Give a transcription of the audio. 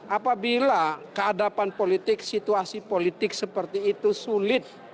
apabila keadapan politik situasi politik seperti itu sulit